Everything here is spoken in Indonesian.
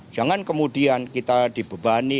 jangan kemudian kita dibebani